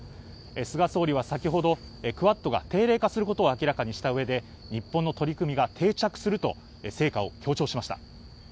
菅総理は先ほど、クアッドが定例化することを明らかにしたうえで、日本の取り組みが定着すると成果を強調しました。